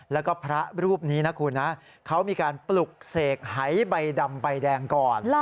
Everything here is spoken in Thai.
แล้วก็พระรูปนี้นะคุณนะเขามีการปลุกเสกหายใบดำใบแดงก่อน